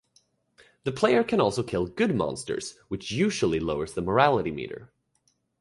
The player can also kill good monsters, which usually lowers the morality meter.